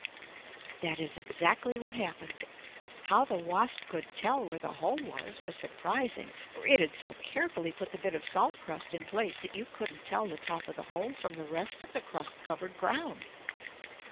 That is exactly what happened. How the wasp could tell where the hole was, was surprising, for it had so carefully put the bit of salt crust in place that you couldn't tell the top of the hole from the rest of the crust covered ground.